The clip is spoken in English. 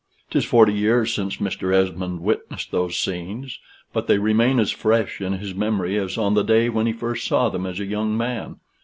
'Tis forty years since Mr. Esmond witnessed those scenes, but they remain as fresh in his memory as on the day when first he saw them as a young man.